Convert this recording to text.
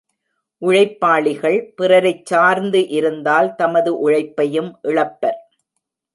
உழைப்பாளிகள், பிறரைச் சார்ந்து இருந்தால் தமது உழைப்பையும் இழப்பர்.